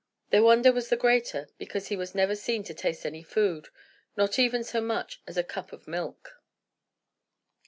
Their wonder was the greater, because he was never seen to taste any food; not even so much as a cup of milk.